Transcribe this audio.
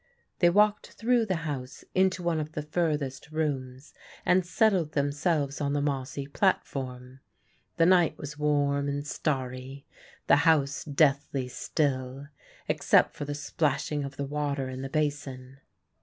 They walked through the house into one of the furthest rooms and settled themselves on the mossy platform. The night was warm and starry, the house deathly still except for the splashing of the water in the basin.